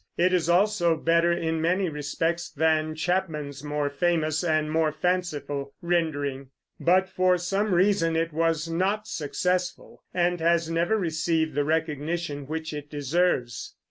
It is also better, in many respects, than Chapman's more famous and more fanciful rendering; but for some reason it was not successful, and has never received the recognition which it deserves.